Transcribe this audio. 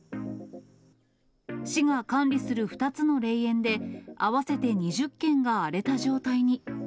市が管理する２つの霊園で、合わせて２０件が荒れた状態に。